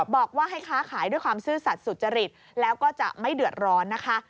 บอกว่าให้ค้าขายด้วยความซื่อสัตว์สุจริตแล้วก็จะไม่เดือดร้อนนะคะ